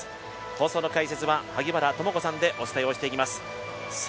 放送の解説は萩原智子さんでお伝えをしていきます。